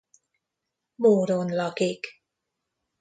Móron lakik.